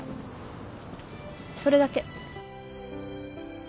それだけ。